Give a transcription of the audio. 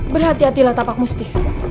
berhati hatilah tapak musti